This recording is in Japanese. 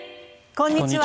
こんにちは。